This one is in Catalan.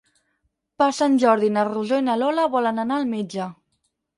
Per Sant Jordi na Rosó i na Lola volen anar al metge.